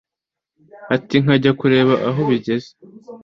ati nkajya kureba aho bigeze